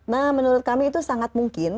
nah menurut kami itu sangat mungkin